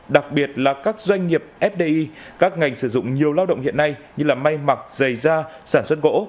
đặc biệt là các doanh nghiệp fdi các ngành sử dụng nhiều lao động hiện nay như may mặc giày da sản xuất gỗ